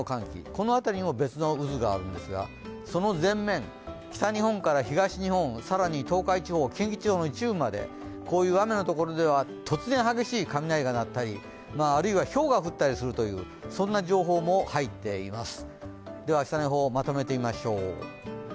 この辺りにも別の渦があるんですがその前面、北日本から東日本、更に東海地方、近畿地方の一部まで、こういう雨のところは突然、激しい雷が鳴ったり、あるいはひょうが降ったりするというそんな情報も入っています。